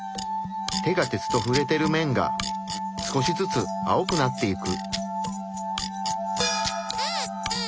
手が鉄とふれてる面が少しずつ青くなっていく。